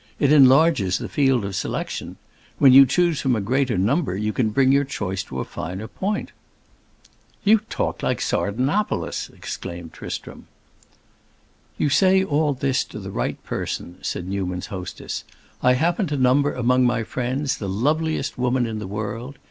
It enlarges the field of selection. When you choose from a greater number, you can bring your choice to a finer point!" "You talk like Sardanapalus!" exclaimed Tristram. "You say all this to the right person," said Newman's hostess. "I happen to number among my friends the loveliest woman in the world.